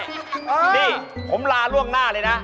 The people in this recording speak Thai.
นี่ผมลาล่วงหน้าเลยนะ